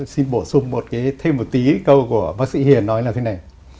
xin bổ sung thêm một tí câu của bác sĩ hiền nói là thế này